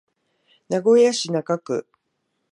名古屋市中区